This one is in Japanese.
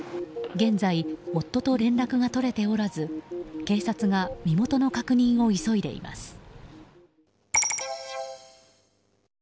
現在、夫と連絡が取れておらず警察が身元の確認を急いでいます。